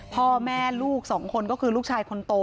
พ่อแม่ลูกสองคนก็คือลูกชายคนโต